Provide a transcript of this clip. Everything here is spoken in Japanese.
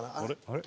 あれ？